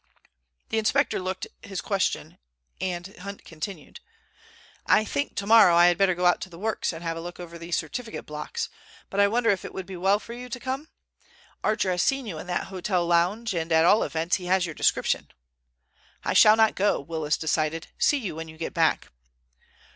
The inspector looked his question and Hunt continued: "I think tomorrow I had better go out to the works and have a look over these certificate blocks. But I wonder if it would be well for you to come? Archer has seen you in that hotel lounge, and at all events he has your description." "I shall not go," Willis decided. "See you when you get back."